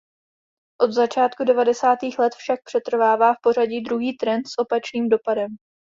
Od začátku devadesátých let však přetrvává v pořadí druhý trend s opačným dopadem.